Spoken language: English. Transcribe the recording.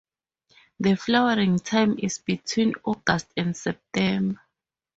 The flowering time is between August and September.